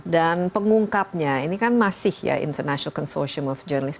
dan pengungkapnya ini kan masih ya international consortium of journalism